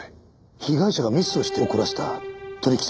被害者がミスをして怒らせた取引先ですね。